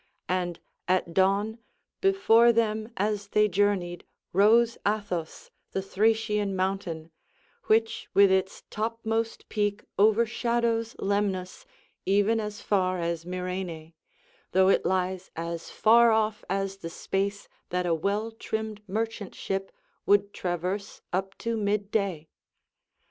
And at dawn before them as they journeyed rose Athos, the Thracian mountain, which with its topmost peak overshadows Lemnos, even as far as Myrine, though it lies as far off as the space that a well trimmed merchantship would traverse up to mid day.